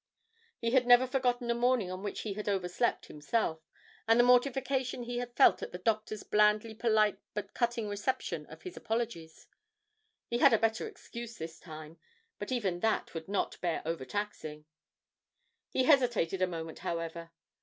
He had never forgotten a morning on which he had overslept himself, and the mortification he had felt at the Doctor's blandly polite but cutting reception of his apologies. He had a better excuse this time, but even that would not bear overtaxing. He hesitated a moment, however.